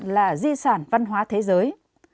là di sản văn hóa thế giới